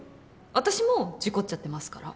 私も事故っちゃってますから。